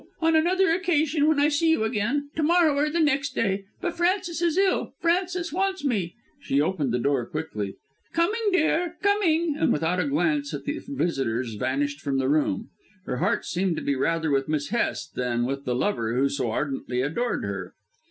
On another occasion, when I see you again to morrow, or the next day. But Frances is ill: Frances wants me." She opened the door quickly. "Coming, dear; coming!" and without a glance at the visitors vanished from the room. Her heart seemed to be rather with Miss Hest than with the lover who so ardently adored her.